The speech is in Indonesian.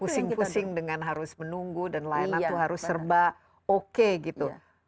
pusing pusing dengan harus menunggu dan lain lain itu harus serba oke gitu